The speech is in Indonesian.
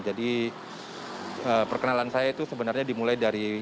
jadi perkenalan saya itu sebenarnya dimulai dari